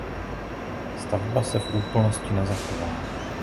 Stavba se v úplnosti nezachovala.